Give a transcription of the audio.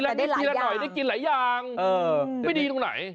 แต่ได้หลายอย่างจริงหนึ่งทีละหน่อยได้กินหลายอย่าง